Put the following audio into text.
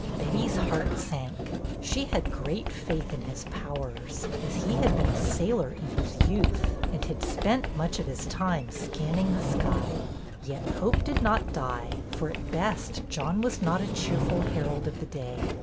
Betty's heart sank. She had great faith in his powers, as he had been a sailor in his youth and had spent much of his time scanning the sky. Yet hope did not die, for at best John was not a cheerful herald of the day.